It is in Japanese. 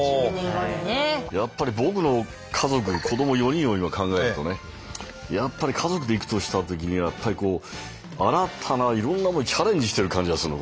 やっぱり僕の家族子ども４人を今考えるとね家族で行くとしたときにやっぱりこう新たないろんなものにチャレンジしてる感じがするの。